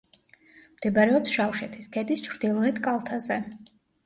მდებარეობს შავშეთის ქედის ჩრდილოეთ კალთაზე.